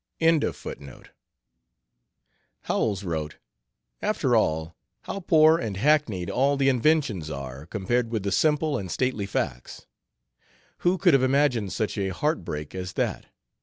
] Howells wrote: "After all, how poor and hackneyed all the inventions are compared with the simple and stately facts. Who could have imagined such a heart break as that?